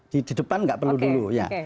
di depan nggak perlu dulu ya